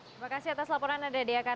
terima kasih atas laporan anda dede akartem